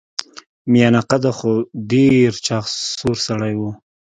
میانه قده خو ډیر چاغ سور سړی و.